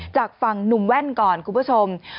จากฟังหนุ่มแว่นแต่หนุ่มแว่นครับ